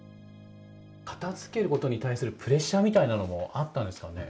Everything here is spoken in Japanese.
片づけることに対するプレッシャーみたいなのもあったんですかね？